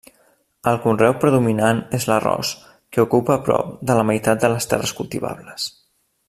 El conreu predominant és l'arròs, que ocupa prop de la meitat de les terres cultivables.